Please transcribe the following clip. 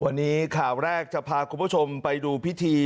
วันนี้ข่าวแรกจะพาคุณผู้ชมไปดูพิธี